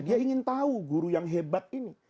dia ingin tahu guru yang hebat ini